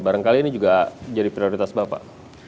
barangkali ini juga jadi prioritas bapak